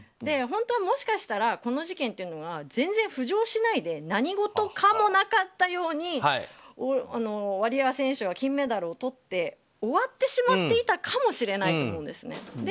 本当は、もしかしたらこの事件というのが全然、浮上しないで何事もなかったかのようにワリエワ選手が金メダルをとって終わっていたかもしれないと思うんですね。